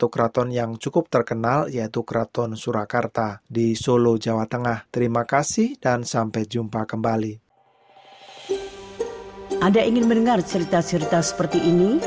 anda ingin mendengar cerita cerita seperti ini